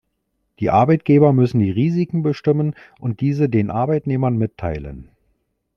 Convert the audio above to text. Die Arbeitgeber müssen die Risiken bestimmen und diese den Arbeitnehmern mitteilen.